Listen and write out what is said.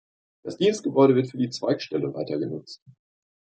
Das Dienstgebäude wird für die Zweigstelle weiter genutzt.